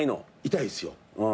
痛いですよ。